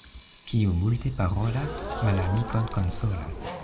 Kiu multe parolas, malamikon konsolas.